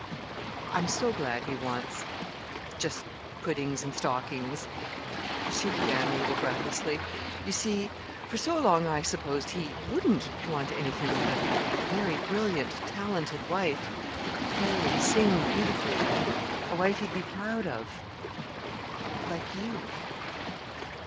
"I'm so glad he wants just puddings and stockings," she began a little breathlessly. "You see, for so long I supposed he wouldn't want anything but a very brilliant, talented wife who could play and sing beautifully; a wife he'd be proud of like you."